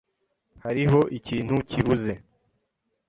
Hariho ikintu kibuze.